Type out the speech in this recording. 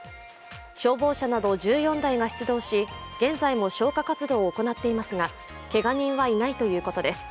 消防車など１４台が出動し、現在も消火活動を行っていますがけが人はいないということです。